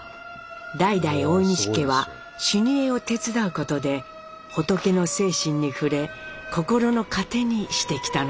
代々大西家は修二会を手伝うことで仏の精神に触れ心の糧にしてきたのです。